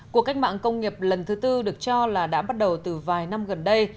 cuộc cách mạng công nghiệp lần thứ tư được cho là đã bắt đầu từ vài năm gần đây